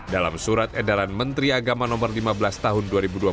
dalam surat edaran menteri agama no lima belas tahun dua ribu dua puluh